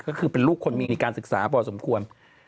ก็คือเป็นลูกคนมีการศึกษาพอสมควร